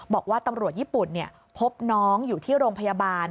บอกว่าตำรวจญี่ปุ่นพบน้องอยู่ที่โรงพยาบาล